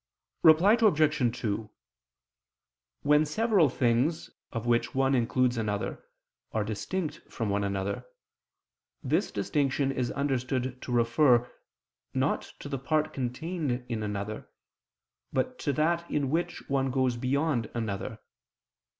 Reply Obj. 2: When several things, of which one includes another, are distinct from one another, this distinction is understood to refer, not to the part contained in another, but to that in which one goes beyond another.